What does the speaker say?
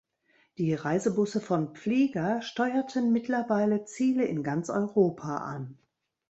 Die Reisebusse von Pflieger steuerten mittlerweile Ziele in ganz Europa an.